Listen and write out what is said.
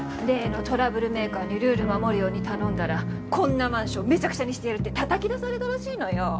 例のトラブルメーカーにルール守るように頼んだらこんなマンションめちゃくちゃにしてやる！ってたたき出されたらしいのよ。